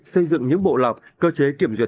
xây dựng những bộ lọc cơ chế kiểm duyệt